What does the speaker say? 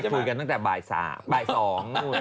คุยกันตั้งแต่บ่ายสามบ่ายสองนู่น